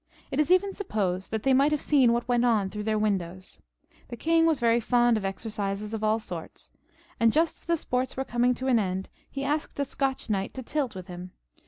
It is even supposed that they might have seen what went on through their windows. The king was very fond of exercises of all sorts ; and just as the sports were coming to an end, he asked a Scotch knight to tilt with him.